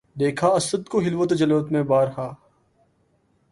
دیکھا اسدؔ کو خلوت و جلوت میں بار ہا